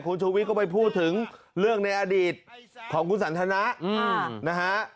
คุณชูวิทย์ก็ไปพูดถึงเรื่องในอดีตของคุณสันทนะนะฮะ